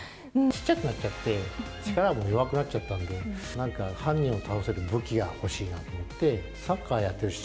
ちっちゃくなっちゃって、力も弱くなっちゃったんで、なんか犯人を倒せる武器が欲しいなっていって、サッカーやってるし、